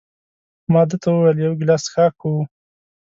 ما ده ته وویل: یو ګیلاس څښاک کوو؟